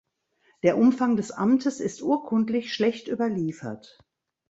Der Umfang des Amtes ist urkundlich schlecht überliefert.